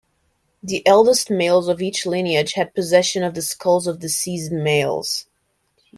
The eldest males of each lineage had possession of the skulls of deceased males.